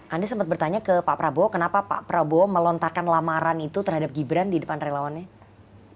anda sempat bertanya ke pak prabowo kenapa pak prabowo melontarkan lamaran itu terhadap gibran di depan relawannya pak